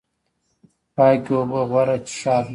پاکې اوبه غوره څښاک دی